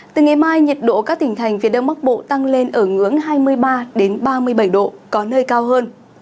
từ ngày mai nhiệt độ các tỉnh thành phía đông bắc bộ tăng lên ở ngưỡng hai mươi ba ba mươi bảy độ có nơi cao hơn